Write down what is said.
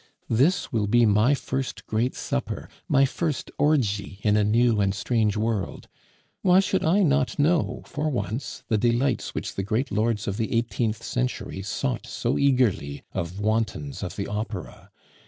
This will be my first great supper, my first orgy in a new and strange world; why should I not know, for once, the delights which the great lords of the eighteenth century sought so eagerly of wantons of the Opera?